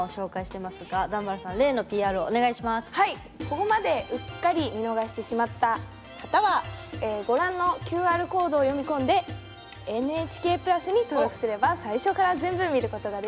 ここまでうっかり見逃してしまった方はご覧のＱＲコードを読み込んで「ＮＨＫプラス」に登録すれば最初から全部見ることができますよ。